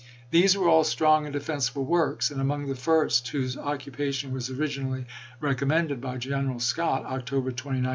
These were all strong and defensible works, and among the first whose occupation was originally recommended by General Scott (October 29, 1860).